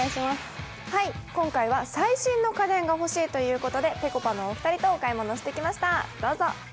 今回は最新の家電が欲しいということでぺこぱのお二人とお買い物してきました。